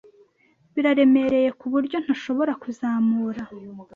Biraremereye kuburyo ntashobora kuzamura.